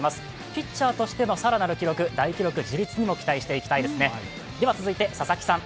ピッチャーとしての更なる記録大記録樹立にも期待していきたいですね。